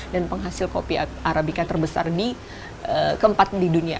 dan penghasil kopi arabica terbesar keempat di dunia